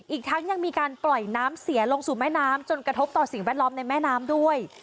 อีกทั้งยังมีการปล่อยน้ำเสียลงสู่แม่น้ำจนกระทบต่อสิ่งแวดล้อมในแม่น้ำด้วย